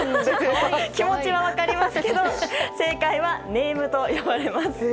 気持ちは分かりますけど正解はネームと呼ばれます。